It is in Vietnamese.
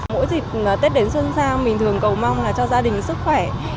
mỗi dịp tết đến xuân sao mình thường cầu mong là cho gia đình sức khỏe